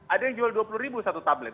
ada yang jual rp dua puluh satu tablet